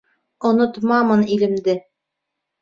Онотмамын илемде.